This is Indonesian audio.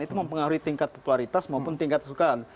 itu mempengaruhi tingkat popularitas maupun tingkat kesukaan